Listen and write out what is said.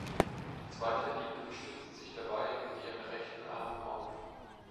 Die zweite liegt und stützt sich dabei mit ihrem rechten Arm auf.